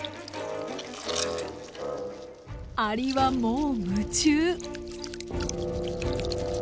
アリはもう夢中。